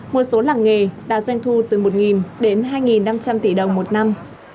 một số làng nghề đạt doanh thu từ một đến hai năm trăm linh tỷ đồng một năm